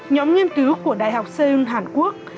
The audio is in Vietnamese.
nhóm nghiên cứu của đại học seoul hàn quốc